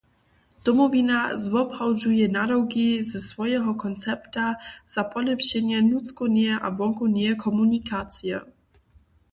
Domowina zwoprawdźuje nadawki ze swojeho koncepta za polěpšenje nutřkowneje a wonkowneje komunikacije.